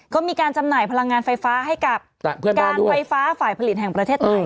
ก็มีการจำหน่ายพลังงานไฟฟ้าให้กับการไฟฟ้าฝ่ายผลิตแห่งประเทศไทย